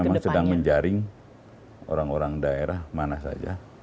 memang sedang menjaring orang orang daerah mana saja